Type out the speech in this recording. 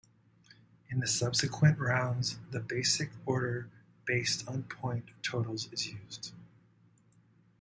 In the subsequent rounds, the basic order based on point totals is used.